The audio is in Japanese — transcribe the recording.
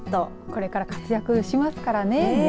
これから活躍しますからね。